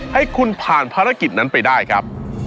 ให้คุณผ่านภารกิจนั้นไปได้ครับ